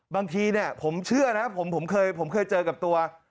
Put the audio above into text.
บางทีเนี่ยผมเชื่อนะผมเคยเจอกับตัว